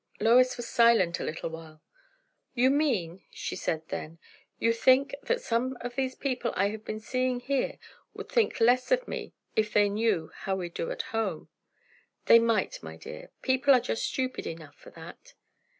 Lois was silent a little while. "You mean," she said then, "you think, that some of these people I have been seeing here, would think less of me, if they knew how we do at home?" "They might, my dear. People are just stupid enough for that."